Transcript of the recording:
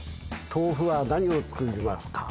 豆腐は何を作りますか？